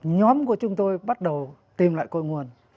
nhóm của chúng tôi bắt đầu tìm lại cội nguồn